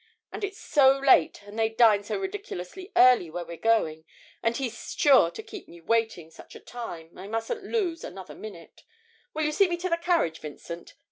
And it's so late, and they dine so ridiculously early where we're going, and he's sure to keep me waiting such a time, I mustn't lose another minute. Will you see me to the carriage, Vincent?